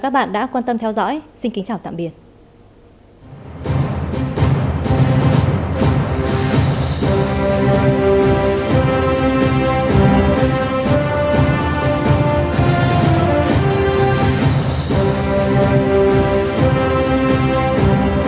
cảm ơn các bạn đã quan tâm theo dõi xin kính chào tạm biệt